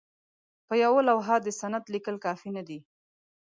په یوه لوحه د سند لیکل کافي نه دي.